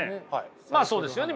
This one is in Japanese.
まあそうですよね